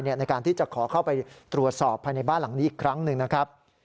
ในการที่จะขอเข้าไปตรวจสอบภายในบ้านหลังนี้อีกครั้งหนึ่งนะครับ